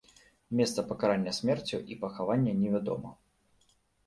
Месца пакарання смерцю і пахавання невядома.